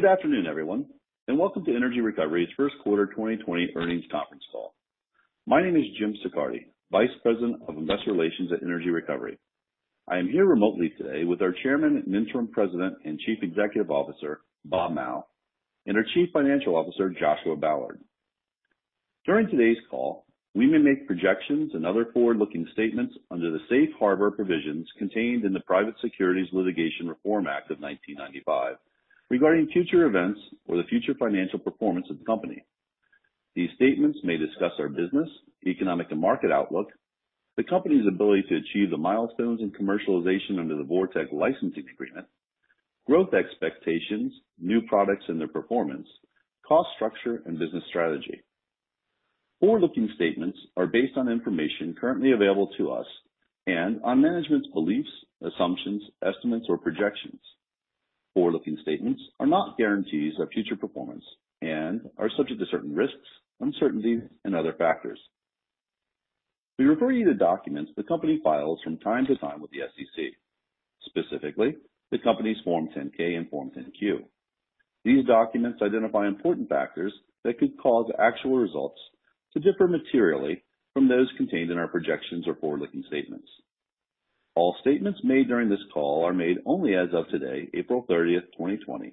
Good afternoon, everyone, and welcome to Energy Recovery's first quarter 2020 earnings conference call. My name is Jim Siccardi, Vice President of Investor Relations at Energy Recovery. I am here remotely today with our Chairman and Interim President and Chief Executive Officer, Robert Mao, and our Chief Financial Officer, Joshua Ballard. During today's call, we may make projections and other forward-looking statements under the Safe Harbor provisions contained in the Private Securities Litigation Reform Act of 1995 regarding future events or the future financial performance of the company. These statements may discuss our business, economic, and market outlook; the company's ability to achieve the milestones and commercialization under the VorTeq licensing agreement; growth expectations; new products and their performance; cost structure; and business strategy. Forward-looking statements are based on information currently available to us and on management's beliefs, assumptions, estimates, or projections. Forward-looking statements are not guarantees of future performance and are subject to certain risks, uncertainty, and other factors. We refer you to documents the company files from time to time with the SEC, specifically the company's Form 10-K and Form 10-Q. These documents identify important factors that could cause actual results to differ materially from those contained in our projections or forward-looking statements. All statements made during this call are made only as of today, April 30th, 2020,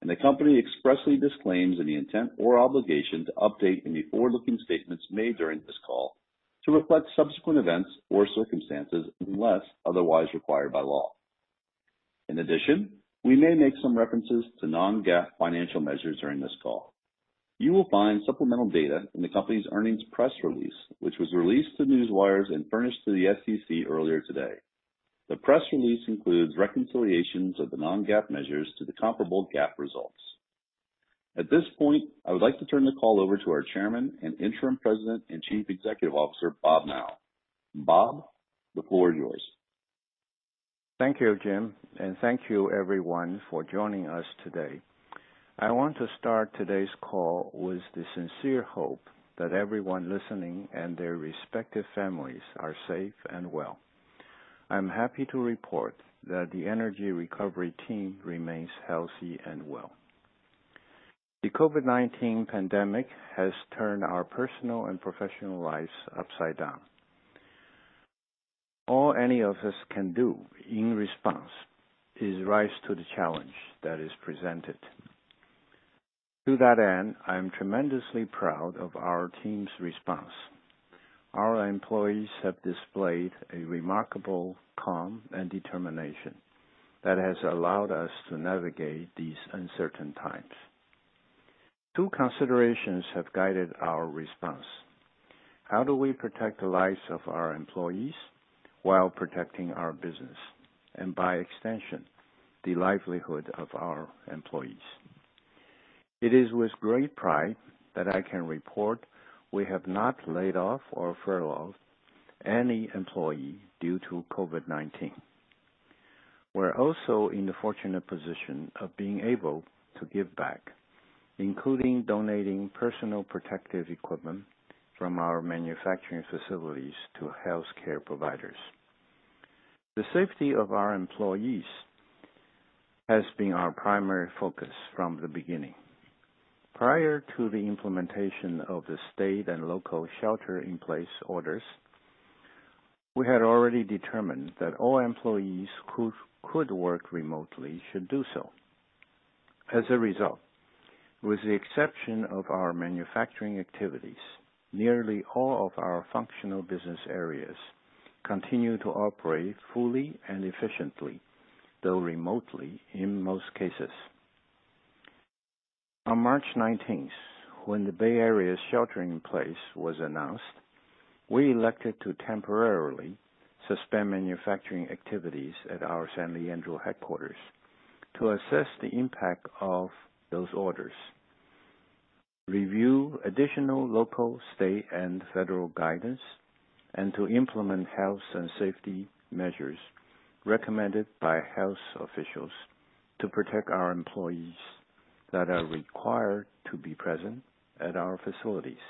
and the company expressly disclaims any intent or obligation to update any forward-looking statements made during this call to reflect subsequent events or circumstances, unless otherwise required by law. In addition, we may make some references to non-GAAP financial measures during this call. You will find supplemental data in the company's earnings press release, which was released to Newswires and furnished to the SEC earlier today. The press release includes reconciliations of the non-GAAP measures to the comparable GAAP results. At this point, I would like to turn the call over to our Chairman and Interim President and Chief Executive Officer, Robert Mao. Bob, the floor is yours. Thank you, Jim, and thank you, everyone, for joining us today. I want to start today's call with the sincere hope that everyone listening and their respective families are safe and well. I'm happy to report that the Energy Recovery team remains healthy and well. The COVID-19 pandemic has turned our personal and professional lives upside down. All any of us can do in response is rise to the challenge that is presented. To that end, I am tremendously proud of our team's response. Our employees have displayed a remarkable calm and determination that has allowed us to navigate these uncertain times. Two considerations have guided our response. How do we protect the lives of our employees while protecting our business and, by extension, the livelihood of our employees? It is with great pride that I can report we have not laid off or furloughed any employee due to COVID-19. We're also in the fortunate position of being able to give back, including donating personal protective equipment from our manufacturing facilities to healthcare providers. The safety of our employees has been our primary focus from the beginning. Prior to the implementation of the state and local shelter-in-place orders, we had already determined that all employees who could work remotely should do so. As a result, with the exception of our manufacturing activities, nearly all of our functional business areas continue to operate fully and efficiently, though remotely in most cases. On March 19th, when the Bay Area's shelter in place was announced, we elected to temporarily suspend manufacturing activities at our San Leandro headquarters to assess the impact of those orders, review additional local, state, and federal guidance, and to implement health and safety measures recommended by health officials to protect our employees that are required to be present at our facilities.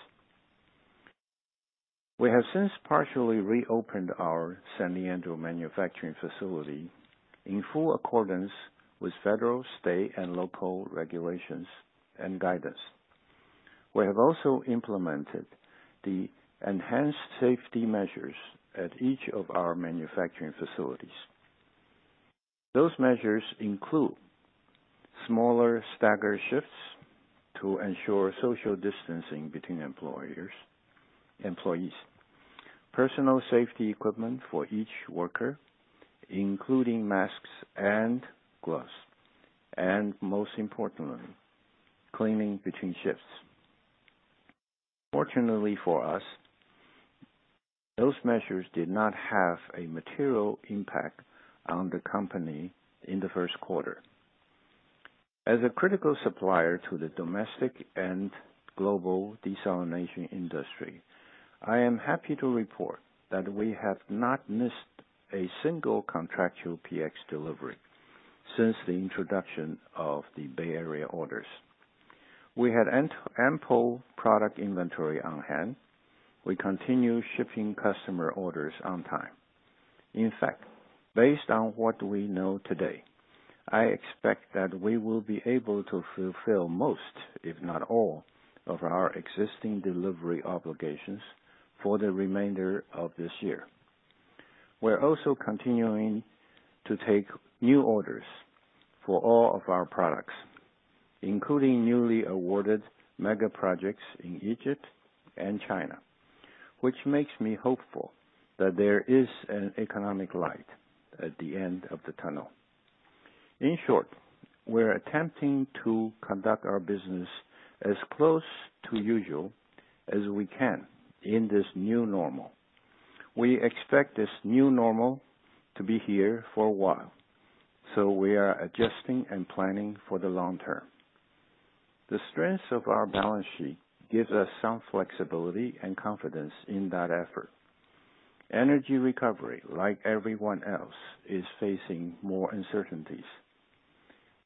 We have since partially reopened our San Leandro manufacturing facility in full accordance with federal, state, and local regulations and guidance. We have also implemented the enhanced safety measures at each of our manufacturing facilities. Those measures include smaller staggered shifts to ensure social distancing between employees, personal safety equipment for each worker, including masks and gloves. Most importantly, cleaning between shifts. Fortunately for us, those measures did not have a material impact on the company in the first quarter. As a critical supplier to the domestic and global desalination industry, I am happy to report that we have not missed a single contractual PX delivery since the introduction of the Bay Area orders. We had ample product inventory on hand. We continue shipping customer orders on time. In fact, based on what we know today, I expect that we will be able to fulfill most, if not all, of our existing delivery obligations for the remainder of this year. We are also continuing to take new orders for all of our products, including newly awarded mega projects in Egypt and China, which makes me hopeful that there is an economic light at the end of the tunnel. In short, we are attempting to conduct our business as close to usual as we can in this new normal. We expect this new normal to be here for a while; we are adjusting and planning for the long term. The strength of our balance sheet gives us some flexibility and confidence in that effort. Energy Recovery, like everyone else, is facing more uncertainties;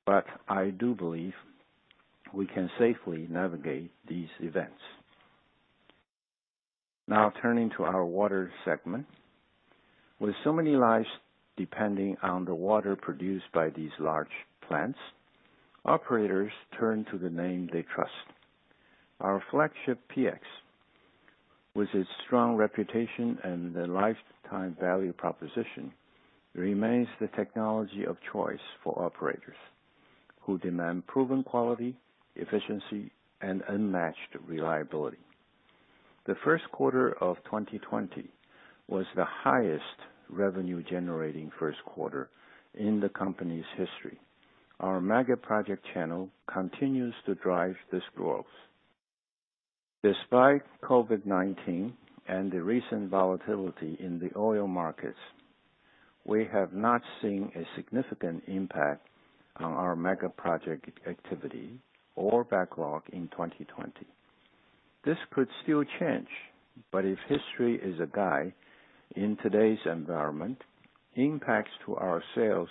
I do believe we can safely navigate these events. Turning to our water segment. With so many lives depending on the water produced by these large plants, operators turn to the name they trust. Our flagship PX, with its strong reputation and the lifetime value proposition, remains the technology of choice for operators who demand proven quality, efficiency, and unmatched reliability. The first quarter of 2020 was the highest revenue-generating first quarter in the company's history. Our mega project channel continues to drive this growth. Despite COVID-19 and the recent volatility in the oil markets, we have not seen a significant impact on our mega-project activity or backlog in 2020. This could still change, but if history is a guide in today's environment, impacts to our sales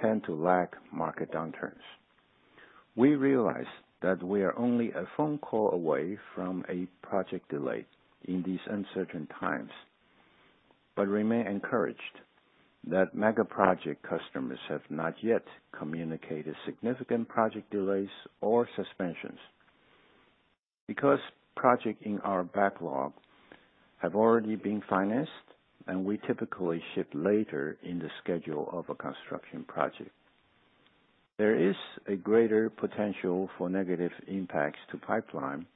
tend to lag market downturns. We realize that we are only a phone call away from a project delay in these uncertain times, but remain encouraged that mega project customers have not yet communicated significant project delays or suspensions. Because projects in our backlog have already been financed, and we typically ship later in the schedule of a construction project, there is a greater potential for negative impacts to pipeline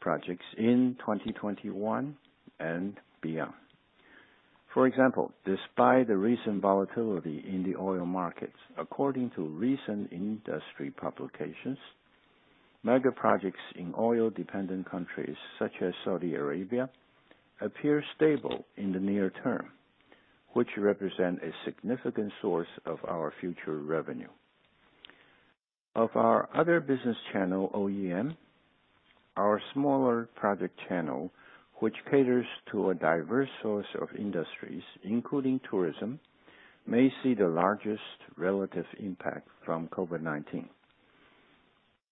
projects in 2021 and beyond. For example, despite the recent volatility in the oil markets, according to recent industry publications, mega projects in oil-dependent countries such as Saudi Arabia appear stable in the near term, which represent a significant source of our future revenue. Of our other business channel, OEM, our smaller project channel, which caters to a diverse source of industries, including tourism, may see the largest relative impact from COVID-19.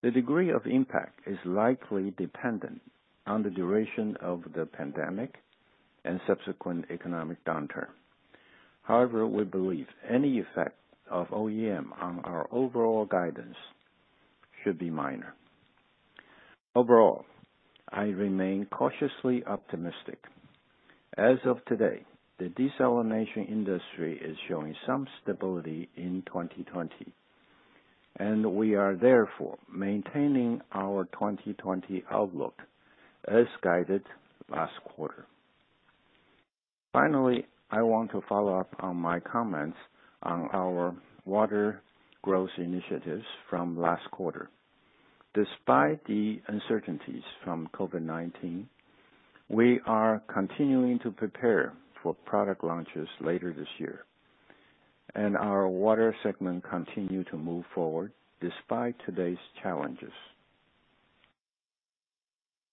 The degree of impact is likely dependent on the duration of the pandemic and subsequent economic downturn. However, we believe any effect of OEM on our overall guidance should be minor. Overall, I remain cautiously optimistic. As of today, the desalination industry is showing some stability in 2020, and we are therefore maintaining our 2020 outlook as guided last quarter. Finally, I want to follow up on my comments on our water growth initiatives from last quarter. Despite the uncertainties from COVID-19, we are continuing to prepare for product launches later this year. Our water segment continues to move forward despite today's challenges.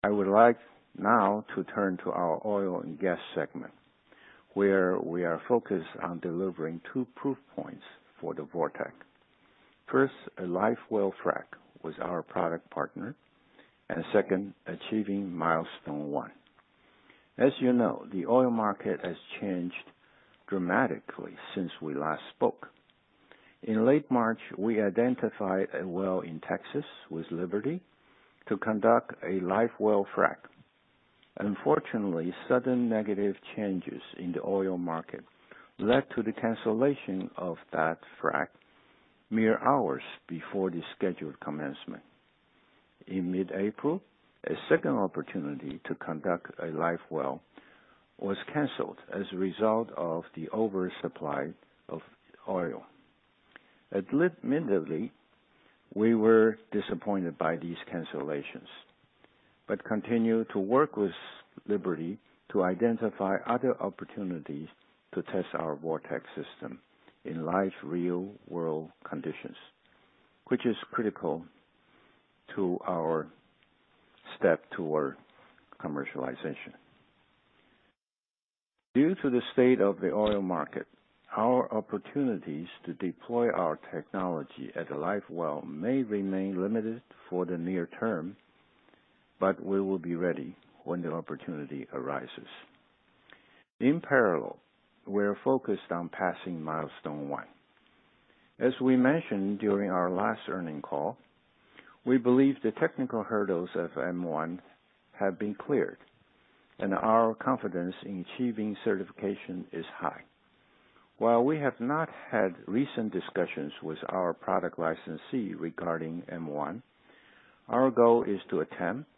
I would like now to turn to our oil and gas segment, where we are focused on delivering two proof points for the VorTeq. First, a live well frack with our product partner. Second, achieving milestone one. As you know, the oil market has changed dramatically since we last spoke. In late March, we identified a well in Texas with Liberty to conduct a live well frack. Unfortunately, sudden negative changes in the oil market led to the cancellation of that frac mere hours before the scheduled commencement. In mid-April, a second opportunity to conduct a live well was canceled as a result of the oversupply of oil. Admittedly, we were disappointed by these cancellations but continue to work with Liberty to identify other opportunities to test our VorTeq system in live real-world conditions, which is critical to our step toward commercialization. Due to the state of the oil market, our opportunities to deploy our technology at a live well may remain limited for the near term, but we will be ready when the opportunity arises. In parallel, we are focused on passing milestone one. As we mentioned during our last earnings call, we believe the technical hurdles of M1 have been cleared, and our confidence in achieving certification is high. While we have not had recent discussions with our product licensee regarding M1, our goal is to attempt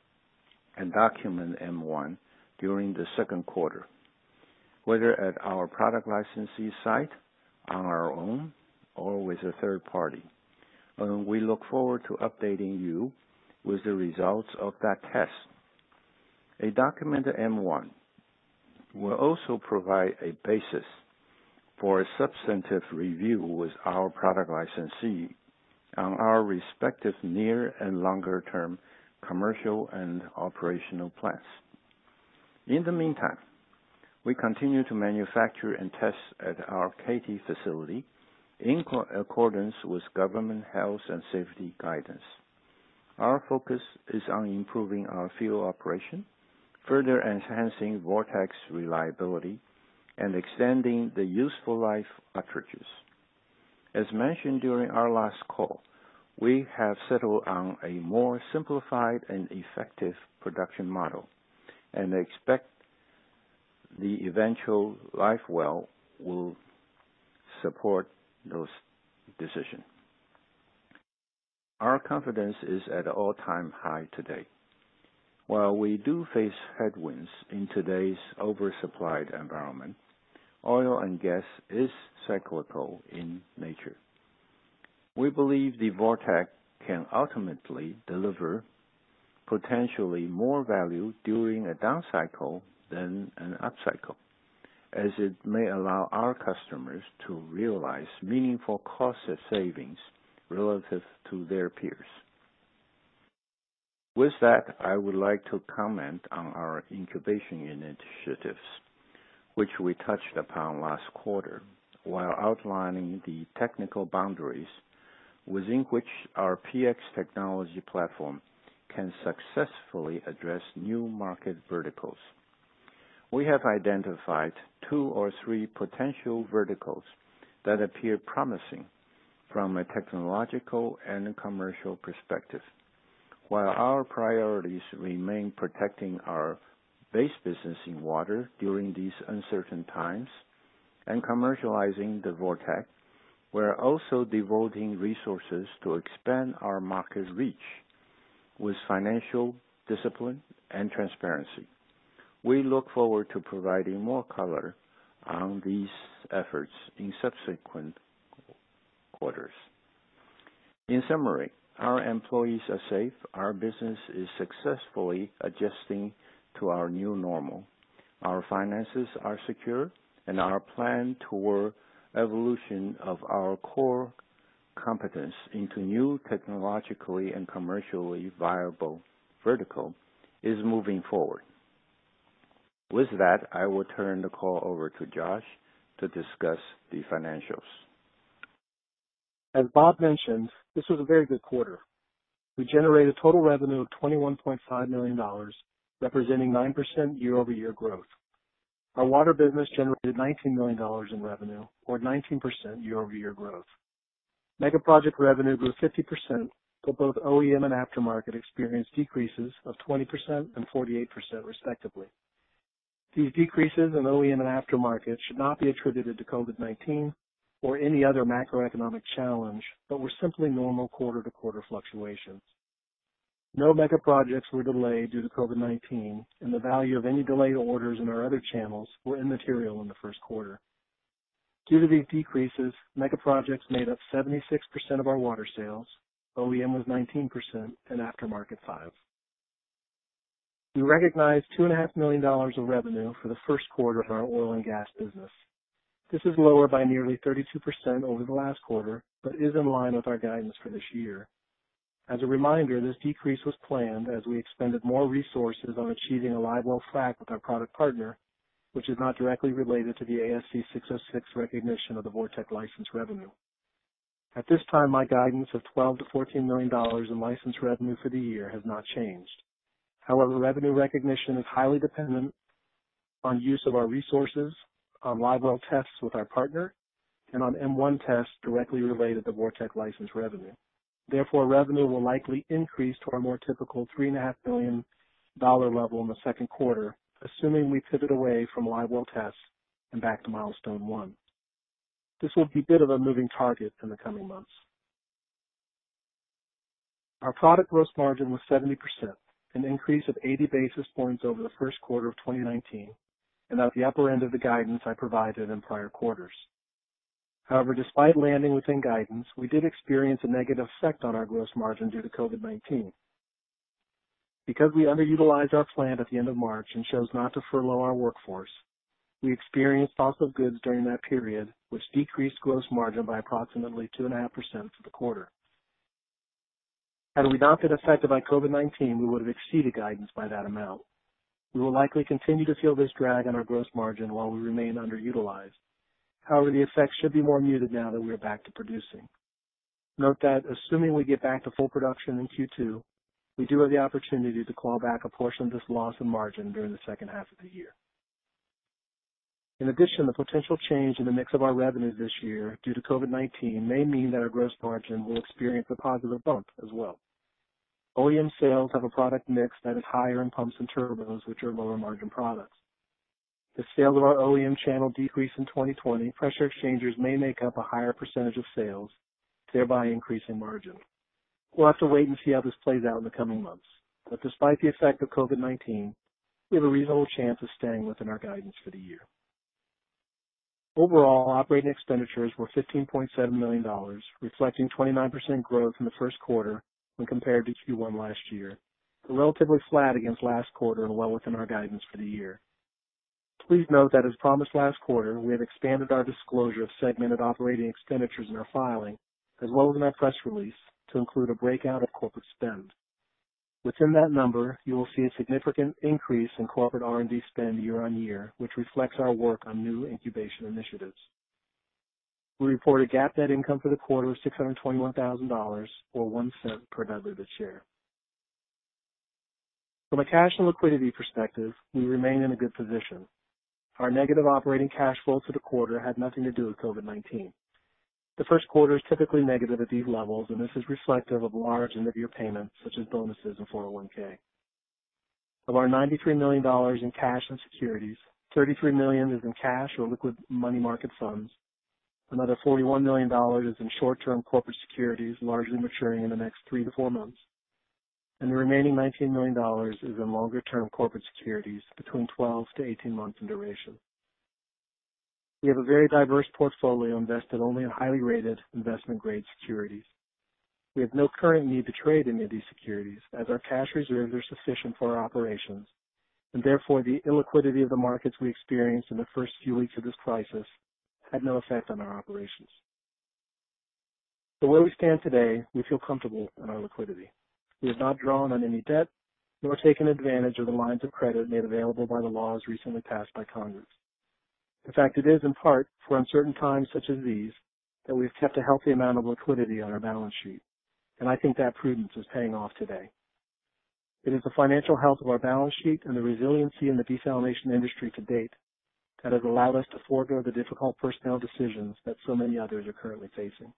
and document M1 during the second quarter, whether at our product licensee site, on our own, or with a third party. We look forward to updating you with the results of that test. A documented M1 will also provide a basis for a substantive review with our product licensee on our respective near- and longer-term commercial and operational plans. In the meantime, we continue to manufacture and test at our Katy facility in accordance with government health and safety guidance. Our focus is on improving our field operation, further enhancing VorTeq's reliability, and extending the useful life of cartridges. As mentioned during our last call, we have settled on a more simplified and effective production model and expect the eventual live well will support those decisions. Our confidence is at an all-time high today. While we do face headwinds in today's oversupplied environment, oil and gas is cyclical in nature. We believe the VorTeq can ultimately deliver potentially more value during a down cycle than an up cycle, as it may allow our customers to realize meaningful cost savings relative to their peers. With that, I would like to comment on our incubation initiatives, which we touched upon last quarter while outlining the technical boundaries within which our PX technology platform can successfully address new market verticals. We have identified two or three potential verticals that appear promising from a technological and commercial perspective. While our priorities remain protecting our base business in water during these uncertain times and commercializing the VorTeq, we are also devoting resources to expand our market reach with financial discipline and transparency. We look forward to providing more color on these efforts in subsequent quarters. In summary, our employees are safe, our business is successfully adjusting to our new normal, our finances are secure, and our plan toward evolution of our core competence into new technologically and commercially viable vertical is moving forward. With that, I will turn the call over to Josh to discuss the financials. As Bob mentioned, this was a very good quarter. We generated total revenue of $21.5 million, representing 9% year-over-year growth. Our water business generated $19 million in revenue or 19% year-over-year growth. Megaproject revenue grew 50%; both OEM and aftermarket experienced decreases of 20% and 48%, respectively. These decreases in OEM and aftermarket should not be attributed to COVID-19 or any other macroeconomic challenge but were simply normal quarter-to-quarter fluctuations. No megaprojects were delayed due to COVID-19, and the value of any delayed orders in our other channels were immaterial in the first quarter. Due to these decreases, megaprojects made up 76% of our water sales, OEM was 19%, and aftermarket 5%. We recognized $2.5 million of revenue for the first quarter of our oil and gas business. This is lower by nearly 32% over the last quarter but is in line with our guidance for this year. As a reminder, this decrease was planned as we expended more resources on achieving a live well frac with our product partner, which is not directly related to the ASC 606 recognition of the VorTeq license revenue. At this time, my guidance of $12 million-$14 million in license revenue for the year has not changed. However, revenue recognition is highly dependent on use of our resources on live well tests with our partner and on M1 tests directly related to VorTeq license revenue. Therefore, revenue will likely increase to our more typical $3.5 million level in the second quarter, assuming we pivot away from live well tests and back to milestone one. This will be a bit of a moving target in the coming months. Our product gross margin was 70%, an increase of 80 basis points over the first quarter of 2019, and at the upper end of the guidance I provided in prior quarters. However, despite landing within guidance, we did experience a negative effect on our gross margin due to COVID-19. Because we underutilized our plant at the end of March and chose not to furlough our workforce, we experienced cost of goods during that period, which decreased gross margin by approximately 2.5% for the quarter. Had we not been affected by COVID-19, we would've exceeded guidance by that amount. We will likely continue to feel this drag on our gross margin while we remain underutilized. However, the effect should be more muted now that we are back to producing. Note that assuming we get back to full production in Q2, we do have the opportunity to claw back a portion of this loss in margin during the second half of the year. In addition, the potential change in the mix of our revenues this year due to COVID-19 may mean that our gross margin will experience a positive bump as well. OEM sales have a product mix that is higher in pumps and turbos, which are lower-margin products. The sale of our OEM channel decreased in 2020; pressure exchangers may make up a higher percentage of sales, thereby increasing margin. We'll have to wait and see how this plays out in the coming months. Despite the effect of COVID-19, we have a reasonable chance of staying within our guidance for the year. Overall, operating expenditures were $15.7 million, reflecting 29% growth from the first quarter when compared to Q1 last year but relatively flat against last quarter and well within our guidance for the year. Please note that as promised last quarter, we have expanded our disclosure of segmented operating expenditures in our filing, as well as in our press release, to include a breakout of corporate spend. Within that number, you will see a significant increase in corporate R&D spend year-on-year, which reflects our work on new incubation initiatives. We report a GAAP net income for the quarter of $621,000, or $0.01 per diluted share. From a cash and liquidity perspective, we remain in a good position. Our negative operating cash flow for the quarter had nothing to do with COVID-19. The first quarter is typically negative at these levels; this is reflective of large end-of-year payments, such as bonuses and 401(k). Of our $93 million in cash and securities, $33 million is in cash or liquid money market funds. Another $41 million is in short-term corporate securities, largely maturing in the next 3-4 months. The remaining $19 million is in longer-term corporate securities between 12-18 months in duration. We have a very diverse portfolio invested only in highly rated investment-grade securities. We have no current need to trade any of these securities, as our cash reserves are sufficient for our operations, and therefore, the illiquidity of the markets we experienced in the first few weeks of this crisis had no effect on our operations. Where we stand today, we feel comfortable in our liquidity. We have not drawn on any debt nor taken advantage of the lines of credit made available by the laws recently passed by Congress. In fact, it is in part for uncertain times such as these that we've kept a healthy amount of liquidity on our balance sheet, and I think that prudence is paying off today. It is the financial health of our balance sheet and the resiliency in the desalination industry to date that has allowed us to forego the difficult personnel decisions that so many others are currently facing.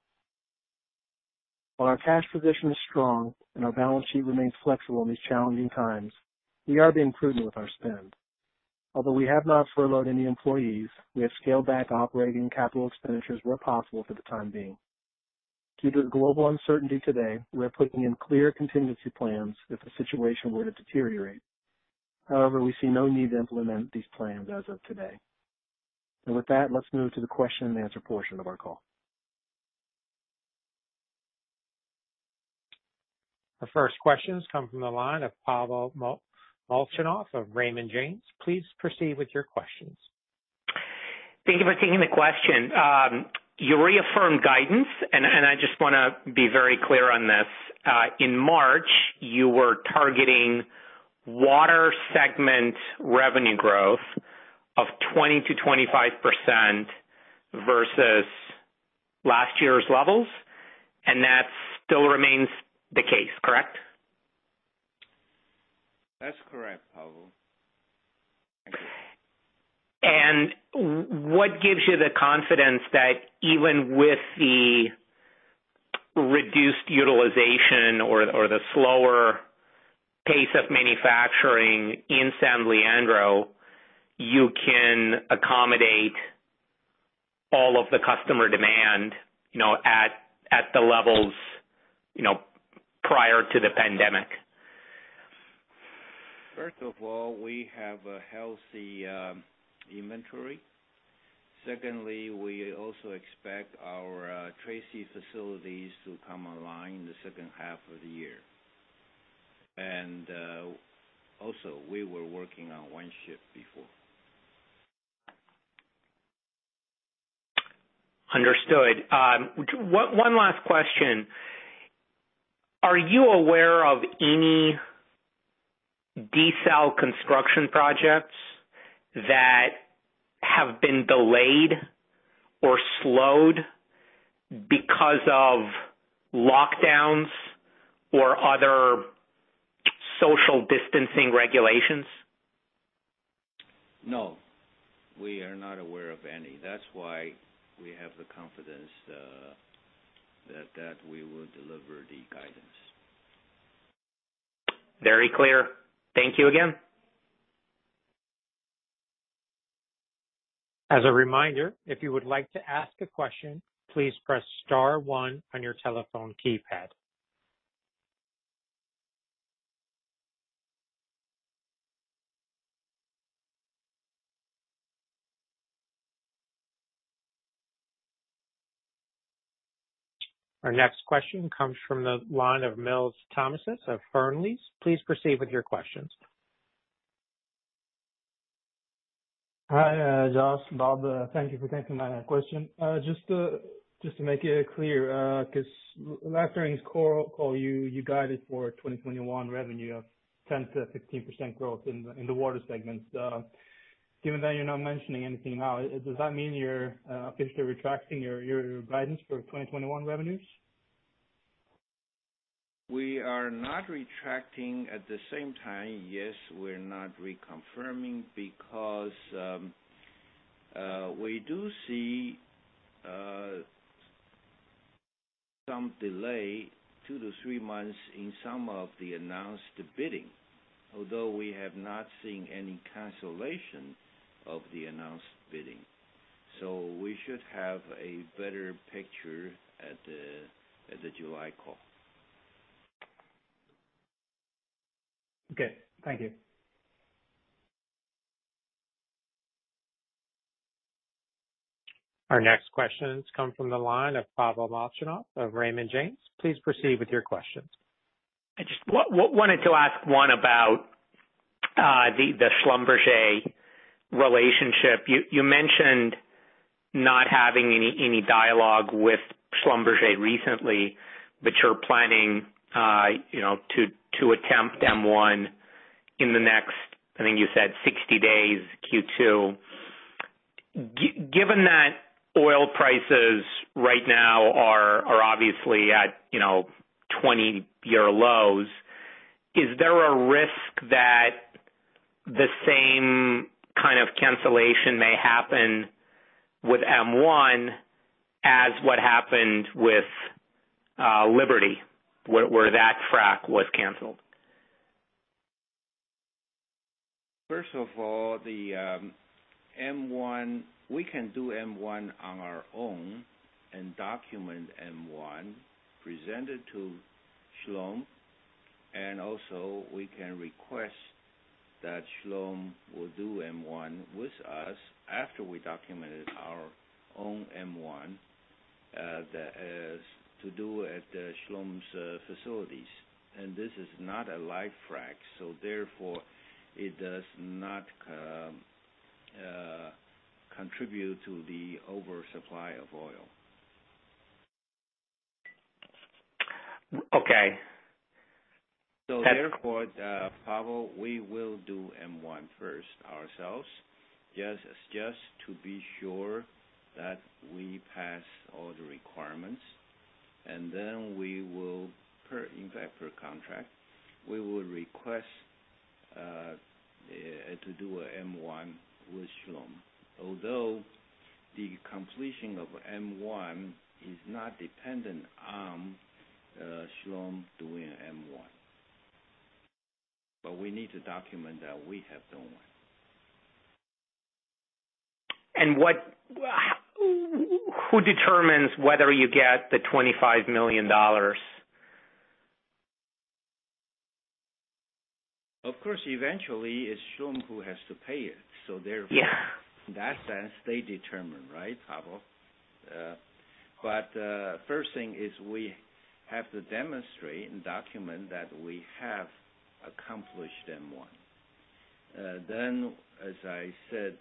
While our cash position is strong and our balance sheet remains flexible in these challenging times, we are being prudent with our spend. Although we have not furloughed any employees, we have scaled back operating capital expenditures where possible for the time being. Due to the global uncertainty today, we are putting in clear contingency plans if the situation were to deteriorate. However, we see no need to implement these plans as of today. With that, let's move to the question and answer portion of our call. The first questions come from the line of Pavel Molchanov of Raymond James. Please proceed with your questions. Thank you for taking the question. You reaffirmed guidance; I just want to be very clear on this. In March, you were targeting water segment revenue growth of 20%-25% versus last year's levels, that still remains the case, correct? That's correct, Pavel. What gives you the confidence that even with the reduced utilization or the slower pace of manufacturing in San Leandro, you can accommodate all of the customer demand at the levels prior to the pandemic? First of all, we have a healthy inventory. Secondly, we also expect our Tracy facilities to come online in the second half of the year. Also, we were working on one shift before. Understood. One last question. Are you aware of any desal construction projects that have been delayed or slowed because of lockdowns or other social distancing regulations? No. We are not aware of any. That's why we have the confidence that we will deliver the guidance. Very clear. Thank you again. As a reminder, if you would like to ask a question, please press star one on your telephone keypad. Our next question comes from the line of Nils Thommesen of Fearnley Securities. Please proceed with your questions. Hi, Josh. Bob. Thank you for taking my question. Just to make it clear, because last earnings call, you guided for 2021 revenue of 10%-15% growth in the water segment. Given that you're not mentioning anything now, does that mean you're officially retracting your guidance for 2021 revenues? We are not retracting. At the same time, yes, we're not reconfirming because we do see some delay, two to three months, in some of the announced bidding. Although we have not seen any cancellation of the announced bidding. We should have a better picture at the July call. Okay. Thank you. Our next questions come from the line of Pavel Molchanov of Raymond James. Please proceed with your questions. I just wanted to ask one about the Schlumberger relationship. You mentioned not having any dialogue with Schlumberger recently. You're planning to attempt M1 in the next, I think you said, 60 days, Q2. Given that oil prices right now are obviously at 20-year lows, is there a risk that the same kind of cancellation may happen with M1 as what happened with Liberty, where that frac was canceled? First of all, the M1, we can do M1 on our own and document M1, present it to Schlum. Also, we can request that Schlum will do M1 with us after we documented our own M1 to do at Schlum's facilities. This is not a live frac, so therefore it does not contribute to the oversupply of oil. Okay. Therefore, Pavel, we will do M1 first ourselves, just to be sure that we pass all the requirements. Then we will, in fact, per contract, we will request to do a M1 with Schlum. Although the completion of M1 is not dependent on Schlum doing M1. We need to document that we have done M1. Who determines whether you get the $25 million? Of course, eventually it's Schlum who has to pay it. Yeah in that sense, they determine, right, Pavel? First thing is we have to demonstrate and document that we have accomplished M1. As I said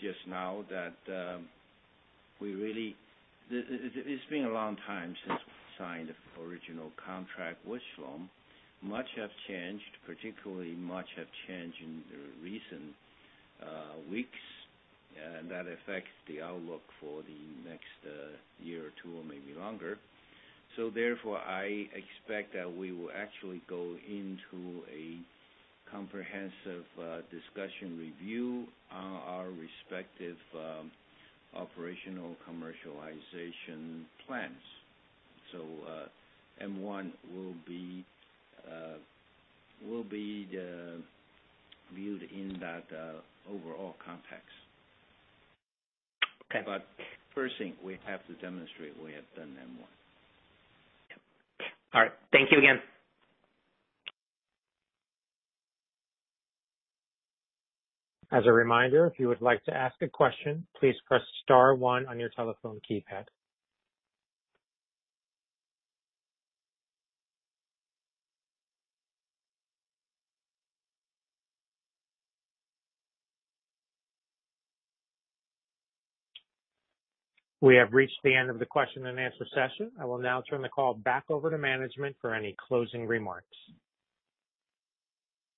just now, it's been a long time since we signed the original contract with Schlum. Much has changed, particularly much have changed in the recent weeks, and that affects the outlook for the next year or two or maybe longer. Therefore, I expect that we will actually go into a comprehensive discussion review on our respective operational commercialization plans. M1 will be viewed in that overall context. Okay. First thing, we have to demonstrate we have done M1. All right. Thank you again. As a reminder, if you would like to ask a question, please press star one on your telephone keypad. We have reached the end of the question-and-answer session. I will now turn the call back over to management for any closing remarks.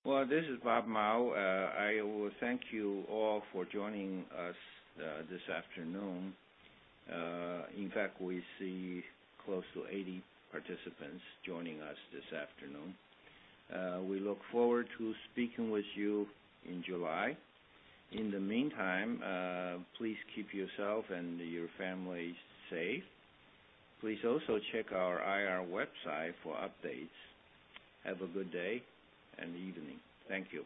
Well, this is Robert Mao. I will thank you all for joining us this afternoon. In fact, we see close to 80 participants joining us this afternoon. We look forward to speaking with you in July. In the meantime, please keep yourself and your families safe. Please also check our IR website for updates. Have a good day and evening. Thank you.